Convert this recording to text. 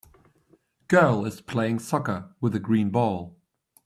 Girl is playing soccer with a green ball.